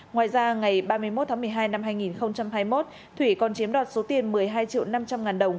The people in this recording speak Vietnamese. ngoài ra ngày ba mươi một tháng một mươi hai năm hai nghìn hai mươi một thủy còn chiếm đoạt số tiền một mươi hai triệu năm trăm linh ngàn đồng